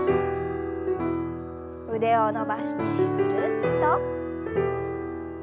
腕を伸ばしてぐるっと。